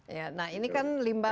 ya nah ini kan limbah